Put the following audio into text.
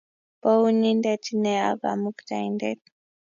Bo-unindet Ine, ak Kamukta-indet.